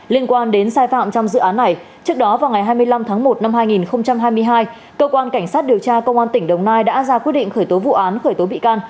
liên quan đến sai phạm trong dự án này trước đó vào ngày hai mươi năm tháng một năm hai nghìn hai mươi hai cơ quan cảnh sát điều tra công an tỉnh đồng nai đã ra quyết định khởi tố vụ án khởi tố bị can